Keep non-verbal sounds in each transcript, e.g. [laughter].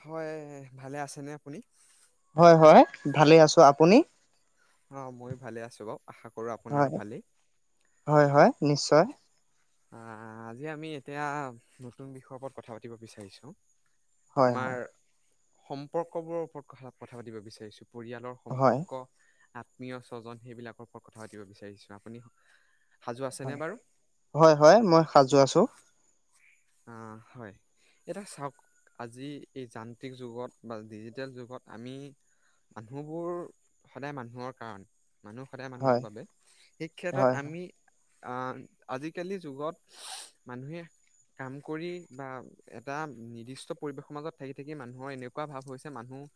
হয় ভালে আছেনে আপুনি। হয় হয় ভালে আছো আপুনি। অ মই ভালে আছো বাৰ হয় হয় হয় নিশ্চয় অ আজি আমি এতিয়া নতুন বিষয়ৰ ওপৰত কথা পাতিব বিচাৰিছো। হয় আমাৰ হয় সম্পৰ্ক বোৰৰ ওপৰত কথা পাতিব বিচাৰিছো। পৰিয়ালৰ হয় সম্পৰ্ক আত্মীয় স্বজন সেইবিলাকৰ ওপৰত কথা পাতিব বিচাৰিছো। আপুনি সাজু আছেনে হয় বাৰু হয় হয় মই সাজু আছো হয় এয়া চাওক আজি এই যান্ত্ৰিক যুগত বা ডিজিটেল যুগত আমি মানুহবোৰ সদায় মানুহৰ কাৰণে মানুহ সদায় মানুহৰ হয় বাবে সেই ক্ষেত্ৰত হয় আমি আহ আজিকালি যুগত মানুহে কাম কৰি বা এটা নিৰ্দিষ্ট পৰিৱেশৰ মাজত থাকি থাকি মানুহৰ এনেকুৱা ভাৱ হৈছে মানুহ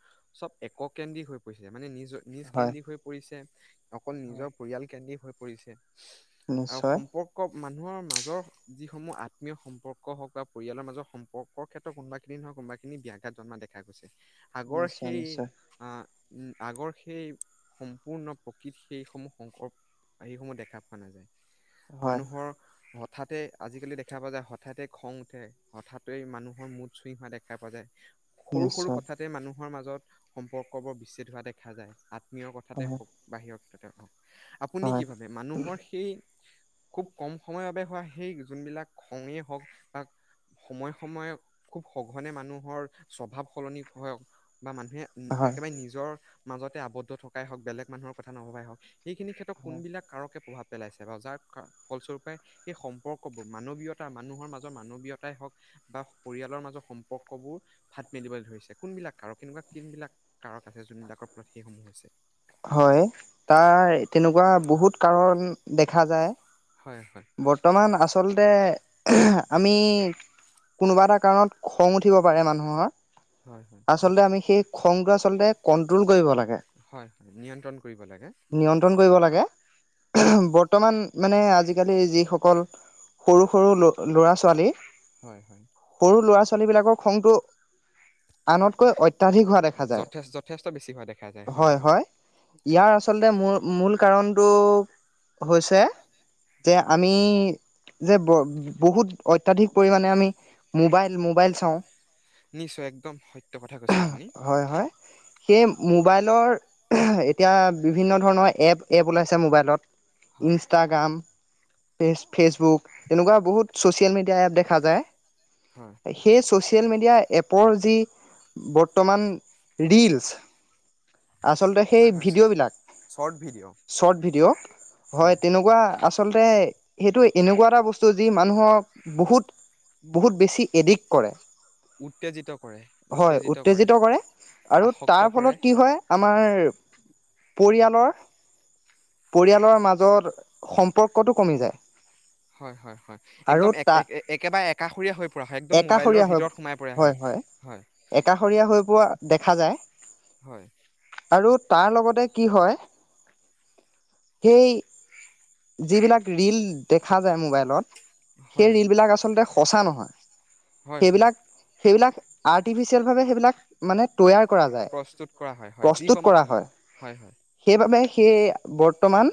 চব এককেন্দ্ৰ হৈ পৰিছে মানে নিজ হয় নিজকেন্দ্ৰ হৈ পৰিছে। অকল হয় নিজৰ পৰিয়াল কেদি হৈ পৰিছে। আৰু নিশ্চয় সম্পৰ্ক মানুহৰ মাজৰ যিসমূহ আত আত্মমীয় সম্পৰ্ক হওক বা পৰিয়ালৰ মাজত সম্পৰ্কৰ ক্ষেত্ৰত কোনোবাখিনিহ কোনোখিনি ব্যঘাত জমা গৈছে আগৰ নিশ্চয় সেই নিশ্চয় আহ উম আগৰ সেই সম্পূৰ্ণ প্ৰকৃত সেই সমূহ সংকৰ সেই সমূহ দেখা পোৱা নাযায়। হয় মানুহৰ সঠাতে আজিকালি দেখ দেখা পোৱা যায় হঠাতে খং উঠে হঠাতে মানুহৰ মুঠ চুই হোৱা দেখা পোৱা যায়। সৰু সৰু নিশ্চয় কথাতে মানুহৰ মাজত সম্পৰ্ক বোৰ বিচ্ছেদ হোৱা দেখা যায়। আত্মীয় কথাতে হয় বাহিৰক তাকে ক আপুনি কি হয় ভাবে মানুহৰ সেই খুব কম সময়ৰ বাবে হোৱা সেই যোনবিলাক খঙে হওঁক বাক সময়ে সময়ে খুব সঘনে মানুহৰ স্বভাৱ সলনি হক বা মানুহে হয় একেবাৰে নিজৰ মাজতে আবদ্ধ থকাই হওক বেলেগ মানুহৰ কথা নভাবাই হওক সেইখিনি ক্ষ্ৰত কোনবিলাক কাৰে প্ৰভাৱ পেলাইছে বা যাৰ ফলস্বৰূপে এই সম্পৰ্কবোৰ মানৱীয়তা মানুহৰ মাজৰ মানৱীয়তাই হওক বা পৰিয়ালৰ মাজৰ সম্পৰ্কবোৰ ভাত মেলিবলৈ ধৰিছে কোনবিলাক কাৰক এনেকুৱা কোনবিলাক কাৰক আছে যোনবিলাকৰ ফলত সেইসমূহ হৈছে হয় তাৰ তেনেকুৱা বহুত কাৰণ দেখা যায় হয় হয় বৰ্তমান আচলতে আমি কোনোবা এটা কাৰণত খং উঠিব পাৰে মানুহৰ হয় হয় আচলতে আমি সেই খগ্ৰছ আচলতে কণ্ট্ৰল কৰিব লাগে হয় হয় নিয়ন্ত্ৰণ কৰিব লাগে নিয়ন্ত্ৰণ কৰিব লাগে হয় বৰ্তমান মানে আজি আজিকালি যিসকল সৰু সৰু ল ল'ৰা ছোৱালী হয় হয় আৰু ল'ৰা ছোৱীবিলাকক খংটো আনতকৈ অত্যাধিক হোৱা দেখা যায় যথে যথেষ্ট বেছি হোৱা দেখা যায় হয় হয় ইয়াৰ আচলতে মূ মূল কাৰণতটো হৈছে যে আমি যে বহুত অত্াধিক পৰিমণে আমি মোবাইল মোবাইল চাওঁ নিশ্চয় একদম সত্য কথা কৈছে আপুনি হয় হয় সেই মোবাইলৰ এতিয়া বিভিন্ন ধৰণৰ এপ এপ ওলাইছে মোবাইলত হয় ইনষ্টাগ্ৰাম ফেচ ফেচবুক এনেকুৱা বহুত চচিয়েল মিডিয়া এপ দেখা যায় হয় সেই ছচিয়েল মিডিয়া এপৰ যি বৰ্তমান ৰীলচ আচলতে সেই হয় হয় ভিডিঅ'বিলাক শৰ্ট ভিডিঅ' চৰ্ট ভিডিঅ' হয় তেনেকুৱা আচলতে সেইটো এনেকুৱা এটা বস্তু যি মানুহক বহুত বহুত বেছি এডিক্ট কৰে হয় উত্তেজিত কৰে আৰু আসক্ত তাৰ কৰে ফলত কি হয় আমাৰ পৰিয়ালৰ পৰিয়ালৰ মাজত সম্পৰ্কটো কমি যায় হয় হয় হয় আৰু একদম তা একেবাৰে একাষৰীয়া হৈ পৰা হয় একদম একাষৰীয়া মবাইলৰ হৈ ভিতৰত সোমাই পৰা হয় হয় একাষৰীয়া হৈ পোৱা দেখা যায় হয় আৰু তাৰ লগতে কি হয় সেই যিবিলাক ৰীল দেখা যায় মোবাইলত সেই হয় ৰিল বিলাক আচলতে কঁচা নহয় হয় হয় সেইবিলাক সেইবিলাক আৰ্টিফিচিয়েলভাৱে সেইবিলাক মানে তৈয়াৰ কৰা যায় প্ৰস্তুত কৰা হয় হয় প্ৰস্তুত যিসমূহ কৰা হয় সেইবাবে সেই বৰ্তমান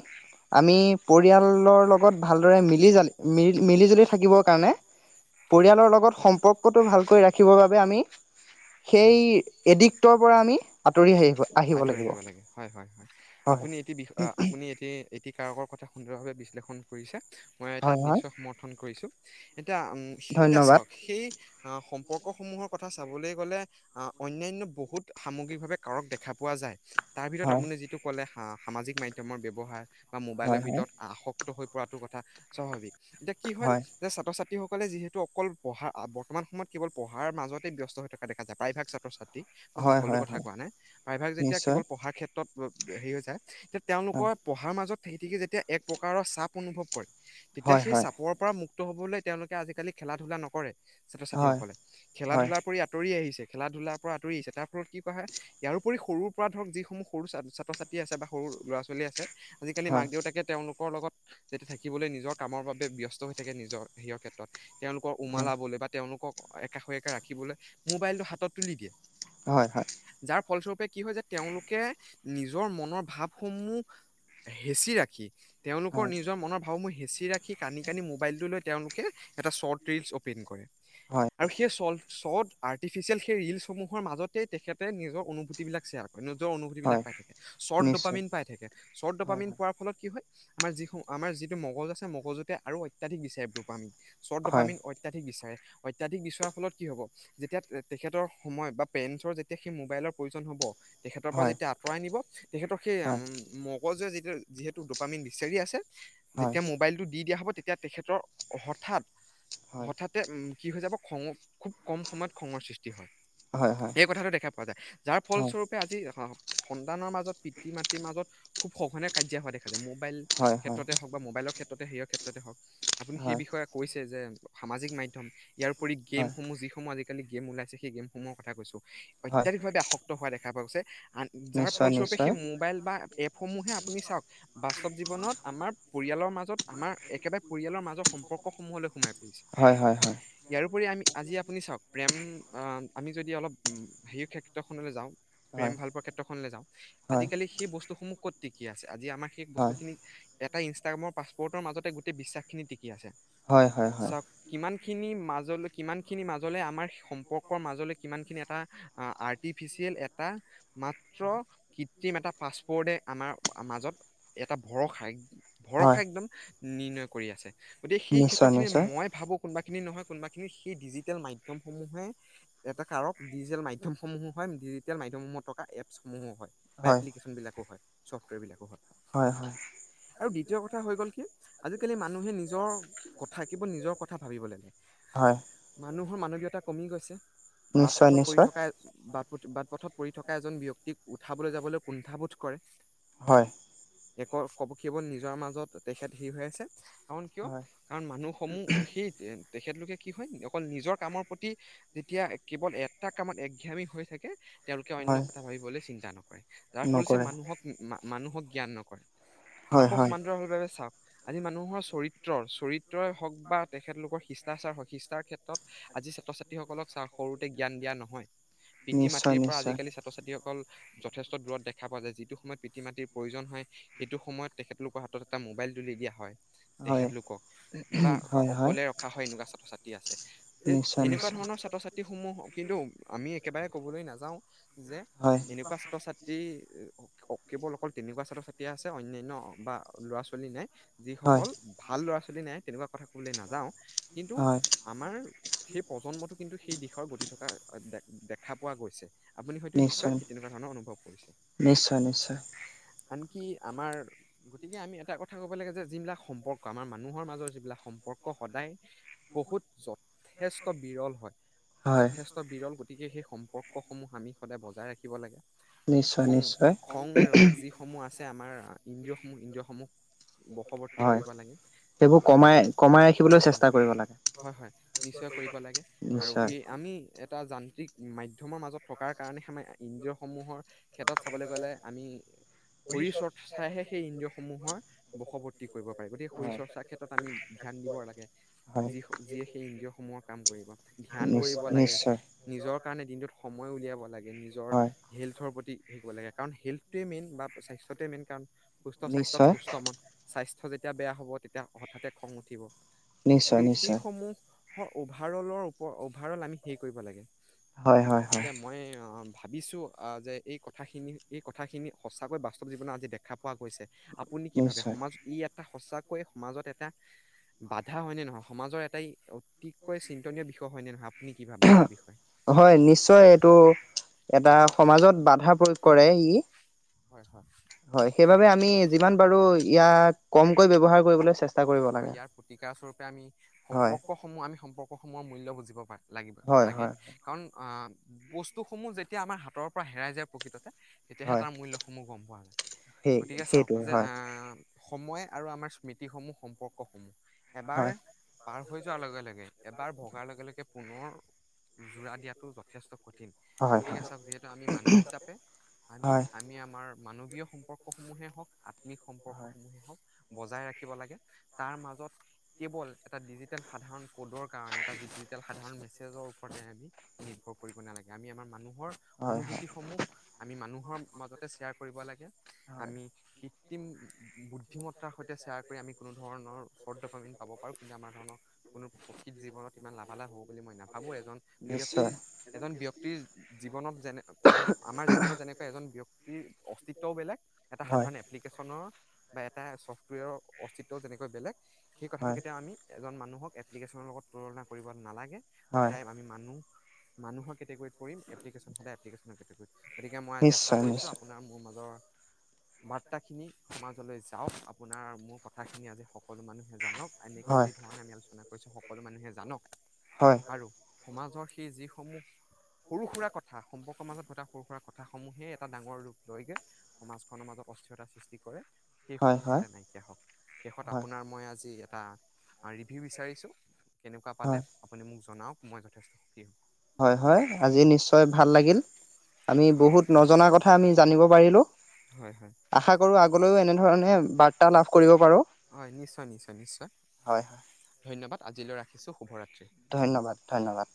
আমি পৰিয়ালৰ লগত ভালদৰে মিলি জালি মিল মিলিজুলি থাকিবৰ কাৰণে হয় পৰিয়ালৰ লগত সম্পৰ্ক। ফটৌ ভালকৈ ৰাখিবৰ বাবে আমি। হয় সেই এডিকটৰ পৰা আমি আঁতৰি আহিব আহিব আঁতৰি লাগিব। লাগে হয়, হয়, হয়, হয় আপুনি এটি বি আপুনি এ এটি কাৰবাৰ কথা সুন্দৰ। ভাৱে বিশ্লেষণ কৰিছে। মই তাত হয় হয় নিশ্চয় সমৰ্থন কৰিছো এতিয়া উম এতিয়া ধন্যবাদ চাওক সেই। অ সম্পৰ্ক সমূহৰ কথা চাবলৈ গ'লে। আহ অন্যান্নয় বহুত সামগ্ৰিকভাৱে কাৰক দেখা পোৱা যায়। তাৰ ভিতৰত হয় আপুনি যিটো ক'লে হাঁহ। সামাজিক মাধ্য়মৰ ব্যৱ্হাৰ। বা মোবাইলৰ হয় হয় ভিতৰত আসক্তি। হৈ পৰাটো কথা স্বাভাৱিক। এতিয়া কি হয় যে ছাত্ৰ ছাত্ৰী। ব্য সকলে যিহেতু অকল পঢ়া বৰ্তমান সময়ত কেৱল পঢ়াৰ মাজতেই ব্যস্ত হৈ থকা দেখ। প্ৰায়ভাগ ছাত্ৰ ছাত্ৰী। মই হয় সকলোোৰ হয় কথা হয় কোৱা নাই প্ৰায়ভাগ যেতিয়া নিশ্চয় কেৱল পঢ়াৰ ক্ষেত্ৰত। হেৰি হৈ য এতিয়া। হয় তেওঁলোকৰ পঢ়াৰ মাজত। খেতিকে যেতিয়া এক প্ৰকাৰৰ চাপ অনুভৱ কৰে। তেতিয়া হয় সেই হয় চাপৰ পৰা মুক্ত। ক্ত হ'বলৈ তেওঁলোকে আজিকালি খেলা ধূলা নকৰে। ছাত্ৰ ছাত্ৰী হয় সকলে খেলা হয় ধূলাৰ পৰি আঁতৰি আহি। খেলা ধূলাৰ পৰা আঁতৰি আহিছে। তাৰ ফলত কি ক ইয়াৰ উপৰি সৰুৰ পৰা ধৰক যিসমূহ সৰু ছাত্ৰ ছাত্ৰী আছে বা সৰু ল'ৰা ছোৱালী আছে। আজিকালি মাক হয় দেউতাকে তেওঁলোকৰ লগত। যেতিয়া থাকিবলৈ নিজৰ কামৰ বাবে ব্যস্ত হৈ থাকে নিজৰ হেয়ৰ ক্ষেত্ৰত। তেওঁলোকৰ উওমালাবলৈ বা তেওঁলোকক। একা হৈ এককাে ৰাখিবলৈ। মোবাইল টো হাতত তুলি দিয়ে। হয় হয় ফলস্বৰূপে কি হয় যে তেওঁলোকে নিজৰ মনৰ ভাৱসমূহ হেঁচি ৰাখি। তেওঁলোকৰ হয় হয় নিজৰ মনৰ ভাৱ মই। বাচি ৰাখি কানি কানি মোবাইলটো ল তেওঁলোকে এটা শৰ্ট ৰিলচ অপেন কৰে। হয় আৰু সেই চল চত। আটিচিয়েল সেইৰিলচসমুহ। কৰাৰ মাজতেই তেখেতে নিজক অনুভূতিবিলাক শ্বেয়াৰ কৰে নিজৰ অনুভূতিবিলাক হয় পাই থাকে শ্বৰ্ট নিশ্চয় ডপামিন পাই থাকে শ্বৰ্ট হয় ডপামিন পোৱাৰ ফলত কি হয় আমাৰ যি আমাৰ যিটো মগজ আছে মগজুতে আৰু অত্যাধিক বিচাৰিব পাম হয় চদপামিন অত্যাধিক বিচাৰে অত্যাধিক বিচৰা ফলত কি হব তেতিয়া তেখেতৰ সময় বা পেৰেন্টছৰ যেতিয়া সেই মোবাইলৰ প্ৰয়োজন হ'ব তেখেতৰ পৰা হয় যেতিয়া আঁতৰাই নিব তেখেতক সেই হয় মগজুৱে যেতিয়া যিহেতু দোপামীন বিচাৰী আছে হয় যেতিয়া মোবাইলটো দি দিয়া হ'ব তেত তিয়া তেখেতৰ হঠাৎ হয় হঠাতে উম কি হৈ যাব খঙ খুব কম সময়ত খঙৰ সৃষ্টি হয় হয় সেই হয় কথাটো দেখা পোৱা যায় যাৰ ফলস্বৰূপে আজি অহ ফোন সন্তানৰ মাজত পিতৃ মাতৃৰ মাজত খুব সঘনে কাজিয়া হোৱা দেখা যায় মোবাইল হয় হয় হয় ক্ষেত্ৰতে হওক বা মোবাইলৰ ক্ষেত্ৰত মুঠতে সেয়াৰ ক্ষেত্ৰতে হওক আপুনি সেই হয় বিষয়ে কৈছে যে সামাজিক মাধ্যম ইয়াৰ উপৰি হয় গেমসমূহ যিসমূহ আজি আজি কালি গেম ওলাইছে সেই গেমসমূহৰ কথা কৈছো হয় অত্যাধিকভাৱে আসক্ত হোৱা দেখা দেখা পাইছে আন যাৰ নিশ্চয় ফলস্বৰূপে সেই নিশ্চয় মোবাইল বা এপসমূহে আপুনি চাওক বাস্তৱ জীৱনত আমাৰ পৰিয়ালৰ মাজত যত আমাৰ একেবাৰে পৰিয়ালৰ মাজৰ সম্পৰ্কসমূহলৈ সোমাই পৰিছে হয় হয় ইয়াৰোপৰি আমি আজি আপুনি চাওক প্ৰেম আমি যদি অলপ হেৰি ক্ষেত্ৰখনলৈ যাওঁ প্ৰেম হয় ভাল পোৱা ক্ষেত্ৰখনলৈ যাওঁ হয় আজিকালি সেই বস্তুসমূহ ক'ত টিকি আছে আজি আমাৰ সেই হয় বস্তুখিনি এটা ইনষ্টাগ্ৰামৰ পাছপৰ্টৰ মাজতে গোটেই বিশ্বাসখিন টিকি আছে হয় হয় হয় খিনিৰ মাজলৈ কিমান খিনি মাজত মাজলে আমাৰ সম্পৰ্কৰ মাজলৈ কিমানখিনি এটা আৰ্টিফিচিয়েল এটা মাত্ৰ কৃত্ৰিম এটা পাছপৰ্ডে আমাৰ মাজত এটা ভৰসা ভৰসা হয় একদম নিৰ্ণয় কৰি আছে। গতিকে সেই ক্ষেত্ৰ নিশ্চয় খিনি নিশ্চয় মই ভাবো কোনোবা খিনি নয় কোনোবািনি সেই ডিজট টেল মাধ্যম সমূহে, এটা কাৰক ডিজিটেল মাধ্যম সমূহো হয় ডিজিটেল মাধ্যম সমূহ থকা এপছসমূহো হয়। বা এপ্লিকেশচন বিলাকো হয়। ছফ্ৱেৰ বিলাকো হয়। হয় হয়। আৰু দ্বিতীয় কথা হৈ গ'ল কি আজিকালি মানুহে নিজৰ কথা কেৱল নিজৰ কথা ভাবিবলৈ লয়। হয়। মানুহৰ মানৱীয়তা কমি গৈছে। বাট নিশ্চয় পথত পৰি নিশ্চয় থকা বাট বাট পথত পৰি থকা এজন ব্যক্তিক উঠাবলৈ যাবলৈ কুণ্ঠাবোধ কৰে। হয় একৰ কে কেৱল নিজৰ মাজত তেখেত হিৰ হৈ আছে। কাৰণ কিয়, হয় কাৰণ মানুহ সমূহ সেইটোৱেন তেখেতলোকে কি হয়, অকল নিজৰ কামৰ প্ৰতি যেতিয়া কেৱল এটা কামত একঘামী হৈ থাকে। তেওঁলোকে হয় অন্য কথা ভাবিবলৈ চিন্তা নক যাৰ ফলচে নকৰে মানুহক মানুহক জ্ঞান নকৰে। হয় আকৌ হয় সমান্তৰাল বাবে চাওক। আজি মানুহৰ চৰিত্ৰৰ চৰিত্ৰই হওক বা তেখেতলোকৰ শিষ্টাচাৰ হওক শিকষ্টাৰ ক্ষেত্ৰত ত আজি ছাত্ৰ-ছাত্ৰীসকলক সৰুতে জ্ঞান দিয়া নহয়। পিতৃ নিশ্চয় মাতৃৰ পৰা নিশ্চয় আজিকালি ছাত্ৰ ছাত্ৰীসকল যথেষ্ট দূৰত দেখা পোৱা যায়, যিটো সময়ত পিতৃ মাতৃৰ প্ৰয়োজন হয়, সেইটো সময়ত তেখেতলোকৰ হাতত এটা মোৱাইল তুলি দিয়া হয়। হয় তেখেতলোকক বা হয় হয় অকলে ৰখা হয় এনেকুৱা ছাতি আছে। এ নিশ্চয় এনেকুৱা নিশ্চয় ধৰণৰ ছাত্ৰ-ছাত্ৰী সমূহ কিন্তু আমি একেবাৰে ক'বলৈ নাযাওঁ যে হয় এনেকুৱা ছাত্ৰ-ছাত্ৰী কেৱল অকল তেনেকুৱা ছাত্ৰ-ছাত্ৰী আছে অন্যান্য বা ল'ৰা-ছোৱালী নাই হয় যিসকল ভাল ল'ৰা-ছোৱালী [unintelligible] তেনেকুৱা কথা ক'বলৈ নাযাওঁ। কিন্তু হয় সেই প্ৰজন্মটো কিন্তু সেই দিশৰ গতি থকা দে-দেখা পোৱা গৈছে। আপুনি হয়তো নিশ্চয় সেই তেনেকুৱা ধৰণৰ অনুভৱ কৰিছে। নিশ্চয় নিশ্চয় আনকি আমাৰ, গতিকে আমি এটা কথা ক'ব লাগে যে যিবিলাক সম্পৰ্ক আমাৰ মানুহৰ মাজৰ যিবিলাক সম্পৰ্ক সদায় বহুত যথেষ্ট বিৰল হয়। হয় যথেষ্ট বিৰল গতিকে সেই সম্পৰ্কসমূহ আমি সদায় বজাই ৰাখিব লাগে। নিশ্চয়, খং নিশ্চয়। খং ৰাগ যিসমূহ আছে আমাৰ ইন্দ্ৰিয়সমূহ-ইন্দ্ৰিয়সমূহ। হয়, সেইবোৰ কমাই-কমাই ৰাখিবলৈ চেষ্টা কৰিব লাগে। হয়-হয়, নিশ্চয় কৰিব লাগে, আৰু নিশ্চয় সেই আমি এটা যান্ত্ৰিক মাধ্যমৰ মাজত থকাৰ কাৰণে [unintelligible] ইন্দ্ৰিয়সমূহৰ ক্ষেত্ৰত চাবলৈ গ'লে আমি শৰীৰ চৰ্চাইহে সেই ইন্দ্ৰিয়সমূহৰ বশৱৰ্তি কৰিব পাৰি, গতিকে শৰীৰ হয় চৰ্চাৰ ক্ষেত্ৰত আমি ধ্যান দিব লাগে, হয় যি যিয়ে সেই ইন্দ্ৰিয়সমূহৰ কাম কৰিব, ধ্যান নিশ কৰিব লাগে, নিশ্চয় নিজৰ কাৰণে দিনটোত সময় উলিয়াব লাগে, নিজৰ হয় হেল্থৰ প্ৰতি শিকিব লাগে কাৰণ হেল্থটোৱে মেইন বা স্বাস্থ্যটোৱে মেইন কাৰণ সুস্থ স্বাস্থ্যত নিশ্চয় সুস্থ মন, স্বাস [inaudible] যেতিয়া বেয়া হ'ব তেতিয়া হঠাতে খং উঠিব। নিশ্চয়, নিছ সেইসমূহ হয়, অভাৰ-অলৰ ওপৰত, অভাৰ-অল আমি সেই কৰিব লাগে। হয় হয় হয় গতিকে মই অ ভাবিছোঁ, যে এই কথাখিনি, এই কথাখিনি সঁচাকৈ বাস্তৱ জীৱনত আজি দেখা পোৱা গৈছে। আপুনি কি ভাবে? নিশ্চয় সমাজ এটা সঁচাকৈয়ে, সমাজত এটা, বাধা হয়নে নহয়? সমাজৰ এটাই ভাবে ইয়াৰ বিষয়ে হয় নিশ্চয়, এইটো এটা সমাজত বাধা প্ৰয়োগ কৰে ই, হয় হয় হয়, সেইবাবে আমি যিমান পাৰো ইয়াক কম কৈ ব্যৱহাৰ কৰিবলৈ চেছ হয় ইয়াৰ প্ৰতিকাৰ স্বৰূপে আমি, হয় সম্পৰ্কসমূহ আমি সম সম্পৰ্কসমূহৰ মূল্য বুজি পাবা। লাগিব হয় লাগে, হয় কাৰণ আহ বস্তুসমূহ যেতিয়া আমাৰ হাতৰ পৰা হেৰাই যায় প্ৰকৃততে। তেতিয়াহে হয় তাৰ মুল্যসমূহ গম পোৱা যায়, সেই গতিকে চাওক সেইটোৱে যে হয় আহ সময় আৰু আমাৰ স্মৃতিসমূহ সম্পৰ্ক সমূহ। এবাৰ হয় পাৰ হৈ যোৱাৰ লগে লগে। এবাৰ ভগাৰ লগে লগে পুনৰ যোৰা দিয়াতো যথেষ্ট কঠিন। কঠিন হয় হয় গতিকে চাওক যিহেতু আমি মানুহ হিচাপে আমি হয় আমি আমাৰ। মানৱীয় সম্পৰ্ক সমূহে হওক আ। সম্পৰ্ক হয় সমূহ হওক। বজাই ৰাখিব লাগে। তাৰ মাজত কেৱল, এটা ডিজিটেল সাধাৰণ ক'ডৰ কাৰণে এটা ডিজিটেল সাধাৰণ মেছেজৰ ওপৰত, আমি নিৰ্ভৰ কৰিব নালাগে, আমি আমাৰ মানুহ। হয় হয় অনুভুতি সমূহ আমি মানুহ। হৰ মাজতে শ্বেয়াৰ কৰিব লাগে। হয় আমি শি। কৃত্ৰিম বুদ্ধিমত। তা সৈতে শ্বেয়াৰ কৰি আমি। কোনো ধৰনৰ [inaudible] পাব পাৰো কিন্তু আমাৰ ধৰণৰ কোনো প্ৰকৃত জীৱনত ইমান লাভালাভ হ'ব বুলি মই নাভাবো। এজন ব্যক্তি নিশ্চয় এজন ব্যক্তিৰ জীৱনত যেনে এজন আমাৰ জীৱনত যেনে এজন ব্যক্তিৰ অস্তিত্বও বেলেগ এটা হয় সাধাৰণ এপ্লিকেশ্যনৰ বা এটা চফ্টৰ। প [unintelligible] অস্তিত্ব যেনেকৈ বেলেগ। সেই কথাটো হয় কেতিয়াও আমি এজন মানুহ। হক এপ্লিকেশ্যনৰ লগত তুলণা কৰিব নালাগে। হয় সদায় আমি মানু্হ। মানুহৰ কেটেগৰীত পৰিম এপ্লিকেচন সদাই এপ্লিকেচনৰ কেটেগৰীত গতিকে মই আজি আশা নিশ্চয় কৰিছো, নিশ্চয় আপোনাৰ মোৰ মাজৰ। বাৰ্তা খিনি, সমাজলৈ যাওক আপোনাৰ মোৰ। কথাখিনি আজি [inaudible] সকলো মনুহে জানক। এনেকৈ হয় যি ধৰণে আমি আলোচনা। সৈছে সকলো মানুহে জানক। হয়। আৰু সমাজৰ সেই যিসমূহ সৰু-সুৰা কথা সম্পৰ্কৰ মাজত পতা সৰু-সুৰা কথাসমূহেই এটা ডাঙৰ ৰূপ লয়গে, সমাজখনৰ মাজত অস্থিৰতাৰ সৃষ্টি কৰে। হয় সেইসমূহ হয় যাতে নাইকিয়া হওক। শেষত হয় আপোনাৰ মই। আজি এটা ৰিভিউ বিচাৰিছোঁ। কেনেকুৱা পালে হয় আপুনি মোক। জনাওক, মই যথেষ্ট। হ'ম হয় হয় আজি নিশ্চয় ভাল লাগিল, আমি হয় বহুত নজনা কথা আমি জানিব পাৰিলোঁ। হয় হয় আশা কৰো আগলৈও এনেধৰণে বাৰ্তা লাভ কৰি। হয় নিশ্চয় নিশ্চয় নিশ্চয় হয় হয় ধন্যবাদ। আজিলৈ ৰাখিছো শুভৰাতি ধন্যবাদ ধন্যবাদ